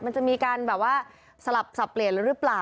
มันจะมีการแบบว่าสลับสับเปลี่ยนหรือเปล่า